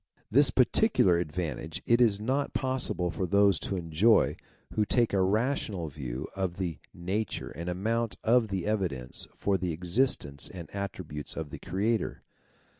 This particular advantage it is not possible for those to enjoy, who take a rational view of the nature and amount of the evidence for the existence and attributes of the Creator.